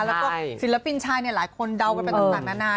แล้วก็ศิลปินชายหลายคนเดากันไปต่างนานา